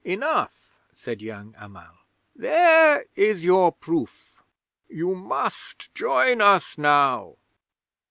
_" '"Enough," said young Amal; "there is your proof! You must join us now!"